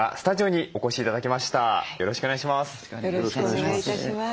よろしくお願いします。